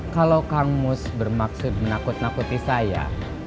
kalau kang mus bermaksud menakut nakuti saya